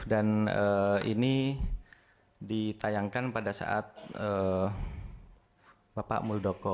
dan ini ditayangkan pada saat bapak muldoko